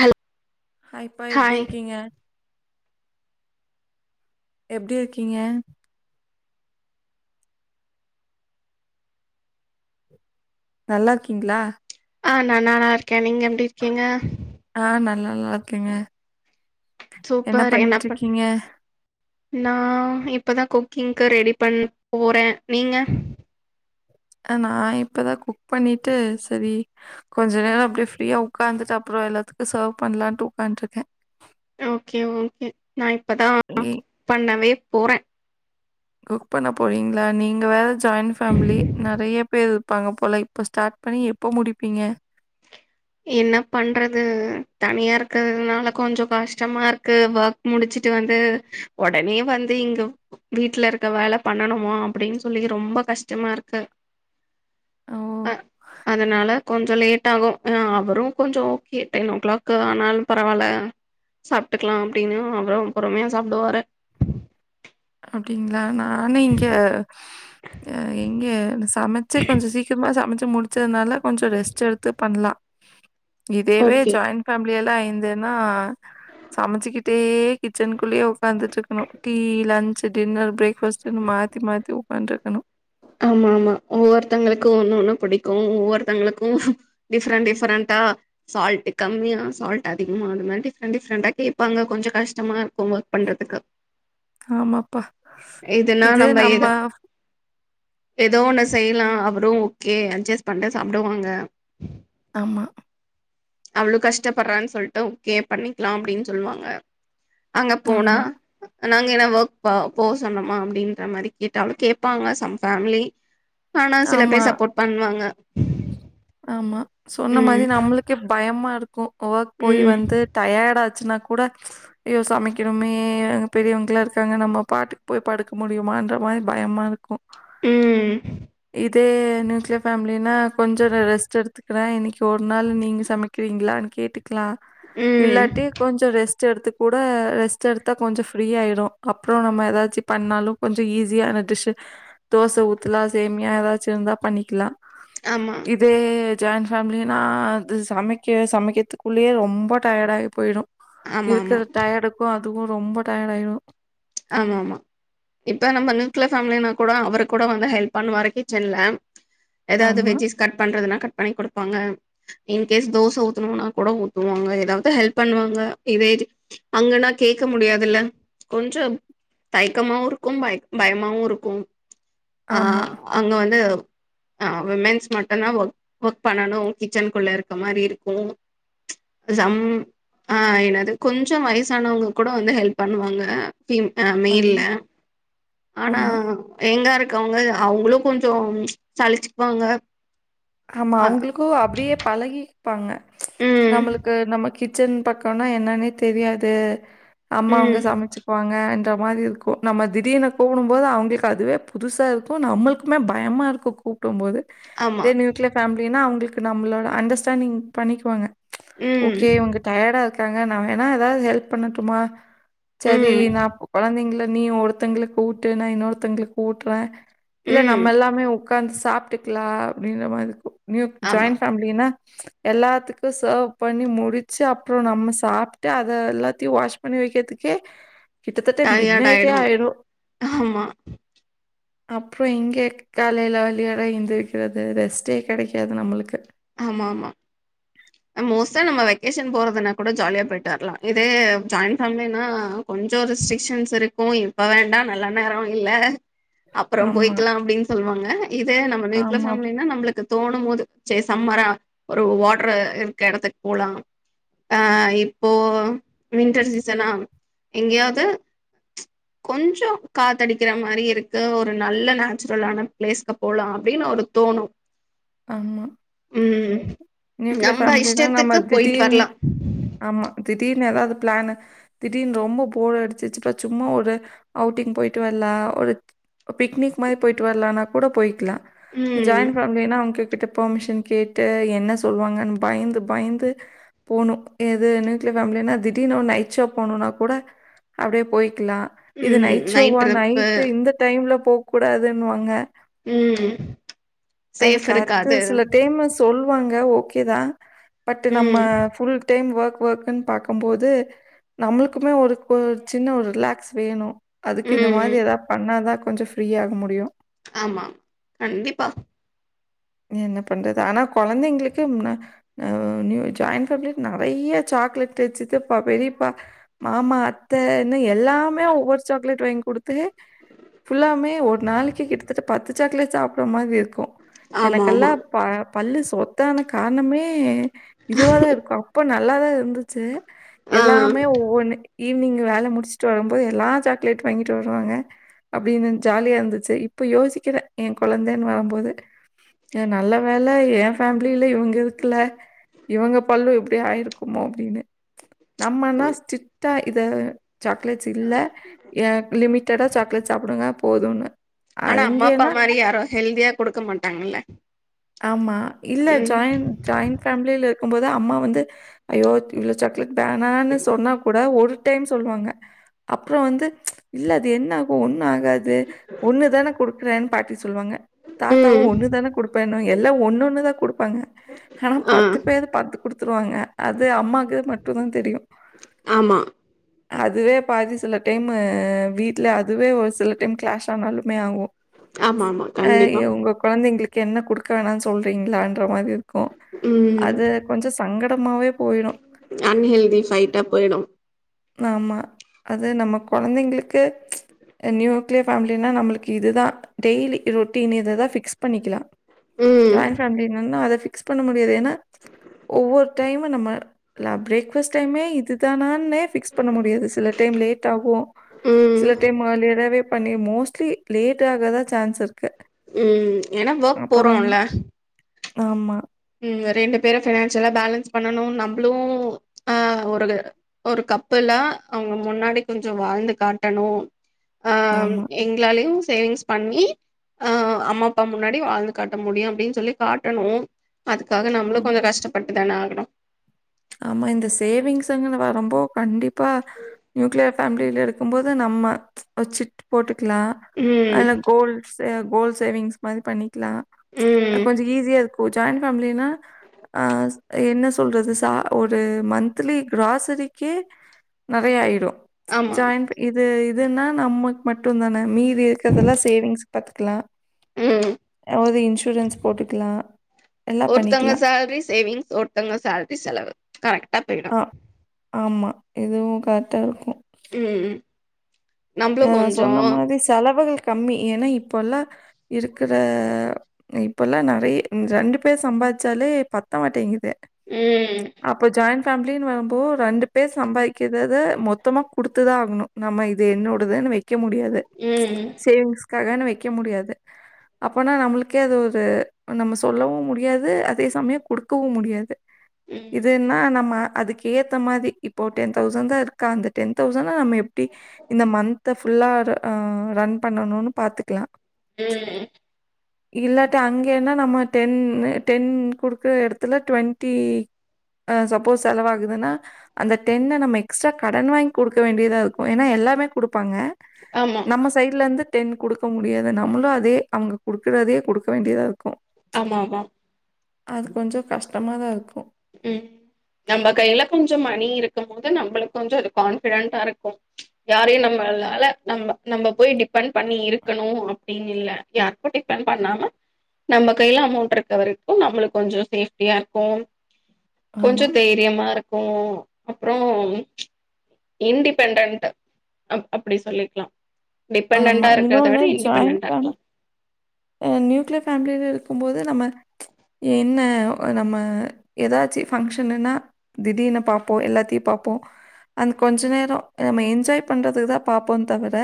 Hello hi பா எப்டி இருக்கீங்க எப்டி இருக்கீங்க நல்லார்க்கீங்களா ஆ நா நல்லா இருக்கே நீங்க எப்டி இருக்கீங்க ஆ நா நல்லா இருக்கங்க என்ன சூப்பர் பண்ணிட்டு பண் இருக்கீங்க நா இப்போ தா குக்கிங்க்க்கு ரெடி பண்ணப் போறே நீங்க ஆ நா இப்பதா குக் பண்ணிட்டு சரி கொஞ்ச நேரோ அப்டியே ஃப்ரீயா உக்காந்துட்டு அப்றோ எல்லாத்துக்கு சர்வ் பண்ணலாம்ட்டு உட்கான்ட்ருக்கே ஓக்கே ஓக்கே நா இப்பதா நீ பண்ணவே போறே குக் பண்ண போறீங்களா நீங்க வேற ஜாயிண்ட் ஃபேமிலி நறைய பேர் இருக் இருப்பாங்க போல இப்போ ஸ்டார்ட் பண்ணி எப்போ முடிப்பீங்க என்ன பண்றது தனியா இருக்கிறதுனால கொஞ்சோ கஷ்டமா இருக்கு ஒர்க் முடிச்சுட்டு வந்து உடனே வந்து இங்க வீட்ல இருக்க வேலை பண்ணணுமா அப்டின்னு சொல்லி ரொம்ப கஷ்டமா இருக்கு ஓ! அ அதனால கொஞ்சோ லேட் ஆகு ஆ அவரு கொஞ்சோ ஓகே டென் ஓ கிளாக் ஆனாலு பரவால்ல சாப்ட்டுக்கலா அப்டின்னா அவரு பொறுமையா சாப்டுவாரு அப்டீங்களா நா நானும் இங்க அ எங்க சமைச்சு கொஞ்சோ சீக்கிரமா சமைச்சு முடிச் சேர்னால கொஞ்சோ ரெஸ்ட் எடுத்து பண்லா இதேவே ஓகே ஜாயின்ட் ஃபேமிலி எல்லா இருந்தேன்னா சமைச்சுக்கிட்டே கிச்சனுக்குள்யே உட்காந்துட்டு இருக்கணு டீ லன்ச் லன்ச் டின்னர் பிரேக்ஃபாஸ்ட்ன்னு மாத்தி மாத்தி உக்காண்ட் இருக்கணு ஆமா ஆமா ஒவ்வொருத்தவங்களுக்கு ஒன்னு ஒண்ணு பிடிக்கு ஒவ்வொருத்தவங்களுக்கு டிஃப்ரண்ட் டிஃப்ரண்ட்டா சால்ட் கம்மியா சால்ட் அதிகமா அது மாதிரி டிஃப்ரெண்ட் டிஃப்ரெண்டா கேட்பாங்க கொஞ்சம் கஷ்டமா இருக்கும்மா பண்றதுக்கு ஆமாப்பா. இதுன்னா நம்ம எத ஏதோ ஒன்ன செய்யலா அவரு ஓகே அட்ஜஸ்ட் பண்ட்டு சாப்டுவாங்க ஆமா அவ்ளோ கஷ்டப்பட்றான்னு சொல்ட்டு ஓக்கே பண்ணிக்கலா அப்டின்னு சொல்லுவாங்க அங்க போனா ஆமா, நாங்க எல்லா ஒர்க் பா போ சொன்னமா அப்டின்ற மாறி கேட்டாலு கேப்பாங்க சம் ஃபேம்லி ஆனா சில ஆமா, பேர் சப்போர்ட் பண்வாங்க ஆமா சொன்ன மாரி நம்மளுக்கே பயமா இருக்கு ஒர்க் போயி ம் வந்து டயர்ட் ஆச்சுன்னாக் கூட ஐய்யோ சமைக்கணுமே அங்க பெரியவங்கல்லா இருக்காங்க நம்ம பாட்டுக்கு போய் படுக்க முடியுமான்ற மாறி பயமா இருக்கும் ம் இதே நியூக்லியர் பேமிலினா கொஞ்சோ நா ரெஸ்ட் எடுத் எடுத்துக்றே இன்னைக்கு ஒரு நாள் நீங்க சமைக்கிறீங்களான்னு கேட்டுக்கலா ம் இல்லாட்டி கொஞ்சோ ரெஸ்ட் ரெஸ்ட் எடுத்து கூட ரெஸ்ட் எடுத்தா கொஞ்சோ ஃப்ரீயாயிடு அப்றோ நம்ம ஏதாச்சு பண்ணாலு கொஞ்சோ ஈஸியான டிஷ்ஷு தோச ஊத்தலா சேமியா ஏதாச்சு இருந்தா பண்ணிக்கலா ஆமா இதே ஜாயிண்ட் ஃபேமிலினா அது சமைக்க சமைக்றதுக்குள்ளேயே ரொம்ப டயர்டாகி போயிடு ஆமா ஆமா இருக்கிற டயர்டுக்கு அதுவு ரொம்ப டயர்ட் ஆயிடு ஆமா ஆமா இப்போ நம்ம நியூக்ளியர் ஃபேமிலின்னா கூட அவரு கூட வந்து ஹெல்ப் பண்ணுவாரு கிச்சன்ல ஏதாவது ஆமா, வெஜ்ஜிஸ் கட் பண்றதுனா கட் பண்ணி கொடுப்பாங்க இன்கேஸ் தோச ஊத்தனுன்னா கூட ஊத்துவாங்க எதாவது ஹெல்ப் பண்ணுவாங்க இதே அங்கன்னா கேக்க முடியாதுல்ல கொஞ்சம் தைக்கமாவு இருக்கும் பய பயமாவு இருக்கு ஆ ஆமா, அங்க வந்து ஆ விமன்ஸ் மட்டு தான் ஒர்க் ஒர்க் பண்ணனு கிச்சன்க்குள்ள இருக்க மாரி இருக்கு சம் ஆ என்னது கொஞ்சோ வயசானவங்க கூட வந்து ஹெல்ப் பண்ணுவாங்க பீம் ஆம் மெயில்ல ஆமா, ஆனா ஆமா. யங்கா இருக்கவங்க அவங்களும் கொஞ்சோம் சழிச்சுப்பாங்க ஆமா அவுங்களுக்கு அப்டியே பழகிப்பாங்க ம். நம்மளுக்கு நம்ம கிச்சன் பக்கன்னா என்னன்னே தெரியாது அம்மாவுங்க ம். சமைச்சுக்குவாங்கன்ற மாரி இருக்கு நம்ம திடீர்னு கூப்புடும் போது அவங்களுக்கு அதுவே புதுஷ்சா இருக்கு நம்மள்க்குமே பயமா இருக்கு கூப்டும் போது ஆமா இதே நியூக்ளியர் ஃபேமிலின்னா அவங்களுக்கு நம்மளோட அண்டஸ்டாணிங் பண்ணிக்குவாங்க ம். ஓகே உங்க டயர்டா இருக்காங்க நா வேணா ஏதாவது ஹெல்ப் பண்ணட்டுமா சரி ம். நா கொழந்தைங்கள நீ ஒருத்தவங்களுக்கு ஊட்டு நா இன்னொருத்தவங்களுக்கு ஊட்றே இல்ல ம். நம்ம எல்லாமே உட்கார்ந்து சாப்பிட்டுக்கலா அப்டின்ற மாரி இருக்கு ஆமா. ஜாயிண்ட் ஃபேமிலினா எல்லாத்துக்கு சர்வ் பண்ணி முடிச்சு அப்ரோ நம்ம சாப்பிட்டு அத எல்லாத்தையு வாஷ் பண்ணி வைக்கிறதுக்கே கிட்டத்தட்ட மிட் டயர்ட் நைட்டே ஆயிடுவோம். ஆயிறு ஆமா. அப்ரோ எங்க காலையில வலியோட எந்திரிக் ரெஸ்டே கெடைக்காது நம்மளுக்கு ஆமா ஆமா மோஸ்ட்டா நம்ம வெக்கேஷன் போறதுனா கூட ஜாலியா போயிட்டு வரலா இதே ஜாயிண்ட் ஃபேமிலினா கொஞ்சோ ரெஸ்ட்ரிக்ஷன்ஸ் இருக்கூ இப்ப வேண்டா நல்ல நேரோ இல்ல அப்புறம் ஆமா, போய்க்கலா அப்டின் சொல்லுவாங்க இதே நம்ம நியூக்ளியர் ஆமா, ஃபேம்லினா நம்மளுக்கு தோணும் போது சேர் சம்மரா ஒரு வாட்ரு இருக்க எடத்துக் போலா ஆ இப்போ வின்டர் சீசனா எங்கேயாவது ம்ச் கொஞ்சோ காத்தடிக்கிற மாரி இருக்கு ஒரு நல்ல நேச்சுரலான பிளேஸ்க்கு போலா அப்டின்னு ஒரு தோணு ஆம்மா ம் நியூக்ல நம்ம ஆமா ஃபேமிலினா நம்ம இஷ்டத்துக்கு போயிட்டு திடீற்ன்னு வரலா ஆமா திடீர்னு ஏதாவது பிளான்னு திடீர்னு ரொம்ப போர் அடிச்சச்சுப்ப சும்மா ஒரு அவுட்டிங் போயிட்டு வரலா ஒரு பிகனிக் மாரி போயிட்டு வரலாம்னா கூட போயிக்கலா ம் ஜாயின்ட் ஃபேமிலின்னா அவங் அத்தகிட்ட பர்மிஷன் கேட்டு என்ன சொல்வாங்கன் பய்ந்து பய்ந்து போணு எது நியூக்ளிய ஃபேமிலின்னா திடீர்னு நைட் ஷோ போனுன்னா கூட அப்டி போய்க்கலா இது ம் நைட் நைச்சோவா ட்ரிப்பு நைட்டு இந்த டைம்ல போக கூடாதுன்னுவாங்க ம் சேஃப் இருக்காது அடுத்து சில டைம்மு சொல்வாங்க ஓகே தா பட்டு நம்ம ம் ஃபுல் டைம் ஒர்க் ஒர்க்ன் பாக்கும்போது நம்மளுக்குமே ஒரு ஒரு சின்ன ஒரு ரிலாக்ஸ் வேணு அதுக்கு இந்த ம் மாதிரி எதா பண்ணா தா கொஞ்சோ ஃப்ரீ ஆக முடியு ஆமா கண்டிப்பா என்ன பண்றது ஆனா கொழந்தைங்களுக்கு ஜாயண்ட் ஃபேமிலிக்கு நெறைய சாக்லேட்டு சித்தப்பா பெரியப்பா மாமா அத் அத்த ன்னு எல்லாமே ஒவ்வொரு சாக்லேட் வாங் குடுத்து ஃபுல்லாமே ஒரு நாளைக்கு கிட்டத்தட்ட பத்து சாக்லேட் சாப்புடடுற மாரி இருக்கூ ஆமா எனக்கெல்லா ஆமா ப பல்லு சொத்தானா கார்ணமே இதுவா தா இருக்கு அப்ப நா நல்லா தா இருந்துச்சு ஆ எல்லாமே ஒவ்வொன்னு ஈவினிங் வேல முடிச்சுட்டு வரும்போது எல்லா சாக்லேட் வாங்கிட்டு வருவாங்க அப்டினின் ஜாலியா இருந்துச்சு இப்ப யோசிக்கிறே எ கொழந்தேன் வரும்போது எ நல்ல வேல எ ஃபேமிலில இவுங்க இருக்கில இவங்க பல்லு எப்டியோ ஆயிருக்குமோ அப்டினு நம்ம அண்ணா ஸ்ரிட்டா இத சாக்லேட்ஸ் இல்ல எ லிமிட்டாதா சாக்லேட் சாப்டுங்க போதுன்ன ஆனா அம்மா அப்பா மாறி யாரு ஹெல்தியா குடுக்க மாட்டாங்கள ஆமா இல்ல ஜாயிண்ட் ஜாயிண்ட் ஃபேமிலில இருக்கும் போது அம்மா வந்து ஐயோ இவ்ளோ சாக்லேட் வேணானு சொன்னா கூட ஒரு டைம் சொல்வாங்க அப்புற வந்து இல்ல அது என்ன ஆகு ஒன்னு ஆகாது ஒன்னு தான குடுக்றேன் பாட்டி சொல்வாங்க தாத்தாவு ம் ஒன்னு தான குடுப்பேனோ எல்லா ஒன்னு ஒன்னு தா குடுப்பாங்க ஹா ஆ பத்து பேர் பத்து குடுத்துருவாங்க அது அம்மாக்கு மட்டு தா தெரியு ஆமா அதுவே பாதி சில டைமு வீட்ல அதுவே ஒரு சில டைமு கிளாஷ் ஆனாலுமே ஆவு ஆமா ஆமா அ கண்டிப்பா எ உங்க குழந்திங்ளுக்கு என்ன குடுக் வேணான் சொல்றீங்ளான்ற மாரிர்க் கு ம் அது கொஞ்ச சங்கடமாவே போயிரு அன்ஹெல்தி ஃபைட்டா போயிடு ஆமா அது நம்ம கொழந்தைங்களுக்கு அ நியூக்ளியர் ஃபேம்லினா நம்ளுக்கு இது தா டெய்லி ரொட்டின் இதுதா பிக்ஸ் பண்ணிக்கிலா ம் ஜாயிண்ட் ஃபேமிலி நொன்ன அத ஃபிக்ஸ் பண்ண முடியாது ஏனா ஒவ்வொரு டைம் நம்ம ல பிரேக்ஃபஸ்ட் டைமே இதுதானானே பிக்ஸ் பண்ண முடியாது சில டைம் லேட் ஆகு ம் சில டைம் மர்லியராவே பண்ணி மோஸ்ட்லி லேட் ஆக தா சான்ஸ் இருக்கு ம் ஏனா வெர்க் போறோ அப்புறம் இல்ல ஆமா ம் ரெண்டு பேரு பினான்சியலா பேலன்ஸ் பண்ணனு நம்புளு ஆ ஒருகு ஒரு கப்புலா அவுங்க முன்னாடி கொஞ்ச வாழ்ந்து காட்டணு ஆ ஆமா, எங்ளாலயு சேவிங்ஸ் பண்ணி ஆ அம்மா அப்பா முன்னாடி வாழ்ந்து காட்ட முடியு அப்டின் சொல்லி காட்டணு அதுக்காக நம்ளு ஆமா. கொஞ்ச கஷ்டப்பட்டு தான ஆகுணு ஆமா இந்த சேவிங்ஸ்ங்கனு வரம்போ கண்டிப்பா நியூக்ளியர் ஃபேம்லியில இருக்கும்போது நம்ம ஒர் சிட் போட்டுக்லா ம் அல கோல் சே கோல் சேவிங்ஸ் மாரி பண்ணிக்லா ம் அ கொஞ்ச ஈஸியா இருக்கு ஜாயிண்ட் ஃபேமிலினா அ என்ன சொல்றது சா ஒரு மந்த்லி கிராசரிக்கே நறைய ஆய்டு ஆமா ஜாயின் இது இதுனா நம்மக் மட்டு தானே மீதி இர்க்கிறதலா சேவிங்ஸ் பாத்துக்கிலா ம் ஒரு இன்சூரன்ஸ் போட்டுக்கிலா எல்லா ஒருத்தவங்க பண்ணிக்கிலா சேல்ரி சேவிங்ஸ் ஒட் ஒர்த்தவுங்க சேல்ரி செலவு கரெக்டா பேய்டு ஆ. ஆமா இதுவு கரெடா இருக்கு ம் ம் நம்மளு அ கொஞ்சோ சொன்ன மாதி செலவுகள் கம்மி ஏனா இப்பலா இருக்கிற இப்பலா நறைய ரெண்டு பேர் சம்பார்ச்சாலே பத்த மாட்டேங்குது ம் அப்போ ஜாயிண்ட் ஃபேமிலின் வரும்போ ரெண்டு பேர் சம்பாதிக்கிறத மொத்தமா குடுத்து தா ஆகுணு நம்ம இது என்னோட் இப்பதான வெக்க முடியாது ம் சேவிங்ஸ்க்காகனு வெக்க முடியாது அப்பனா நம்மளுக்கே அது ஒரு நம்ம சொல்லவு முடியாது அதே சமயோ குடுக்கவு முடியாது ம் இதுன்னா நம்ம அதுக்கேத்த மாதி இப்போ டென் தௌசண்ட் தா இருக் காந்து டென் தௌசண்ணா நம்ம எப்டி இந்த மந்த் ஃபுல்லா ரன் பண்ணணுனு பாத்துக்கலா ம் இல்லாட்டி அங்கென்னா நம்ம டென் டென் குடுக்குற எடத்துல ட்வெண்ட்டி ஆ சப்போஸ் செலவாகுதுனா அந்த டென்ன நம்ம எக்ஸ்ட்ரா கடன் வாங்கி கொடுக்க வேண்டியதா இருக்கு ஏன்னா எல்லாமே கொடுப்பாங்க ஆமா நம்மஸ் சைடுலருந்து டென் கொடுக்க முடியாது நம்மளு அதே அவுங்க கொடுக்றதே கொடுக்க வேண்டியதா இருக்கு ஆமா ஆமா அது கொஞ்ச கஷ்டமா தா இருக்கு ம் நம்ம கையில கொஞ்சம் மணி இருக்கும் போது நம்மளுக் கொஞ்சோ அது கான்பிடன்டா இருக்கு யாரையு நம்மளால நம்ம நம்ம போய் டிபெண்ட் பண்ணி இருக்கணு அப்டின்னு இல்ல யாருக்கு டிபன் பண்ணாமா நம்ம கைல அமௌண்ட் இருக்க வரைக்கு நம்மளுக் கொஞ்ச சேஃப்டியா இருக்கு ஆமா, கொஞ்ச தைரியமா இருக்கு அப்றோ இன்டிபெண்டன்ட் அப்டி சொல்லிக்லாம் ஆமா. டிபெண்டன்டா இருக்றத விட இன்னொன்னு இன்டிபெண்டன்டா இருக்கலா ஹ நியூக்ளியர் ஃபேமிலில இருக்கும்போது நம்ம என்ன நம்ம ஏதாச்சு ஃபங்க்ஷன்னன்னா திடீனு பாப்போ எல்லாத்தையு பாப்போ அந்த கொஞ்ச நேர நம்ம என்ஜாய் பண்றது தா பாப்போ தவிர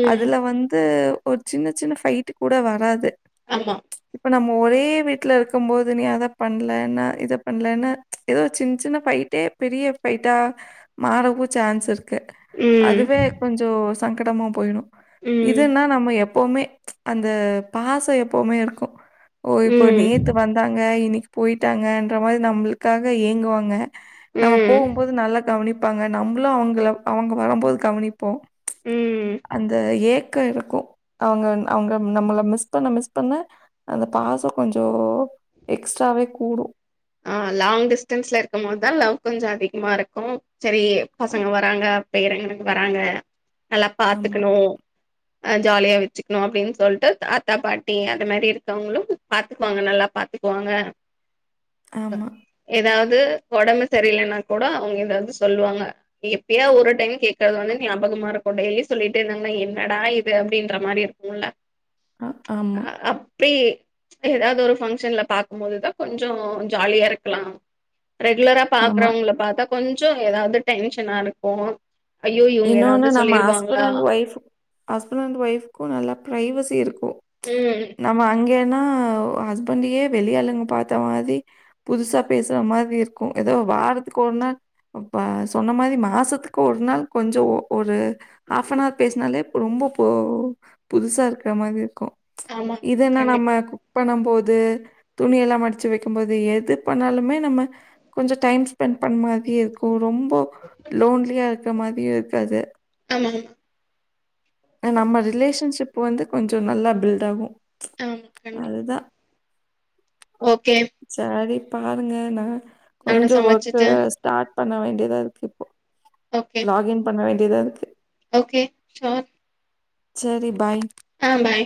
ம் அதுல வந்து ஒரு சின்ன சின்ன ஃபைட் கூட வராது ஆமா இப்ப நம்ம ஒரே வீட்ல இருக்கு போது நீ அத பண்லென்னா இத பண்லென்னா ஏதோ சின் சின்ன ஃபைட்டே பெரிய ஃபைட்டா மாறவு சான்ஸ் இருக்கு ம் அதுவே கொஞ்ஜோ சங்கடமா போயிடு ம் இதுன்னா நம்ம எப்போமே அந்த பாச எப்பவுமே இருக்கு ஓ இப்போ ம் நேத்து வந் தாங்க இன்னெக்கு போயிட்டாங்கன்ற மாரி நம்மளுக்காக ஏங்குவாங்க ம் நம்ம ம் போகும்போது நல்லா கவனிப்பாங்க நம்ளு அவுங்கள அவுங்க வரும்போது கவனிப்போ ம். அந்த ஏக்க இருக்கு அவங்க அவங்க நம்மள மிஸ் பண்ண மிஸ் பண்ண அந்த பாச கொஞ்ச எக்ஸ்ட்ராவே கூடு ஆ லாங் டிஸ்டன்ஸ்ல இருக்கு போது தா லவ் கொஞ்ச அதிகமா இருக்கு சரி பசங்க வராங்க பேரன்க வராங்க நல்லா ஆமா, பாத்துக்கணு அ ஜாலியா வச்சுக்கணு அப்டின்னு சொல்டு தாத்தா பாட்டி அந்த மாரி இருக்கவங்களு பாத்துக்குவாங்க நல்லா பாத்து போங்க ஆமா ஏதாவது உடம்பு சரியில்லைன்னா கூட அவங்க எதாவது சொல்லுவாங்க எப்பையோ ஒரு டைம் கேக்குறது வந்து ஞாபகமா இருக்கும் டெய்லி சொல்லிடே இருந்தாங்கன என்னடா இது அப்டின்ற மாரி இருக் இல்ல அ ஆமா பிரீ ஏதாவது ஒரு ஃபங்க்ஷன்ல பாக்கு போதுதா கொஞ்ச கொஞ்ச ஜாலியா இருக்கலா ரெகுலரா ஆமா. பாக்குறவங்கள பாத்தா கொஞ்ச எதாவது டென்ஷனா இருக்கு ஐயோ இவங்க ஏதாவது இன்னொன்னு நம்ம சொல்லிருவாங்களா ஹஸ்பண்ட் அண்ட் ஒய்ஃபக் ஹஸ்பண்ட் அண்ட் ஒய்ஃபக்கு நல்லா ப்ரைவசி இருக்கு ம் ஆமா அங்கேனா ஹஸ்பண்டயே வெளி ஆளுங்க பாத்த மாரி புதுசா பேசற மாரி இருக்கு ஏதோ வாரத்துக்கு ஒரு நாள் அப்ப சொன்ன மாரி மாசத்துக்கு ஒரு நாள் கொஞ்சோ ஒ ஒரு ஹாஃப்பனவர் பேசுனாலே ரொம்ப போ புதுசா இருக்குற மாரி இருக்கு ஆமா இதென்னா நம்ம கண்டிப்பா பண்ணம் போது துணியெல்லா மடிச்சு வக்கும் போது எது பண்ணாலுமே நம்ம கொஞ்ச டைம் ஸ்பெண்ட் பண் மாரியே இருக்கு ரொம்போ லோன்லியா இருக்க மாரியே இருக்காது ஆமாங்க நம்ம ரிலேஷன்ஷிப் வந்து கொஞ்சோ நல்லா பில்டு ஆகு ஆ கண்டிப்பா ஓகே சரி பாருங்க நா நானு கொஞ்சோ ஒர்க்கு சமைச்சிட்டு ஸ்டார்ட் பண்ண வேண்டியதா இருக்கு இப்போ ஓகே லாகின் பண்ண வேண்டியதா இருக்கு ஓகே ஷோர் சேரி பாய் ஆ பாய்